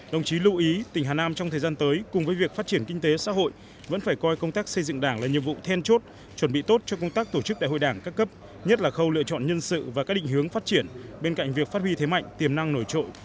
đồng chí lưu ý tỉnh hà nam trong thời gian tới cùng với việc phát triển kinh tế xã hội vẫn phải coi công tác xây dựng đảng là nhiệm vụ then chốt chuẩn bị tốt cho công tác tổ chức đại hội đảng các cấp nhất là khâu lựa chọn nhân sự và các định hướng phát triển bên cạnh việc phát huy thế mạnh tiềm năng nổi trội